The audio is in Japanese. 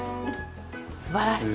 すばらしい！